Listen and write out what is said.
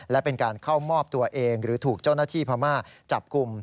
และเป็นการเข้ามอบตัวเองหรือถูกเจ้าหน้าที่พม่าจับกลุ่ม